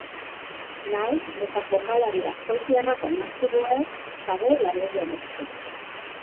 Nahiz eta jokalari azkoitiarrak onartu duen ez dagoela euren esku.